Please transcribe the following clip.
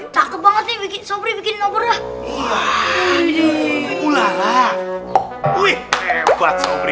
takut banget bikin bikin obor